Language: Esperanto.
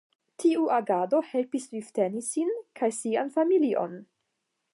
Tiu agado helpis vivteni sin kaj sian familion.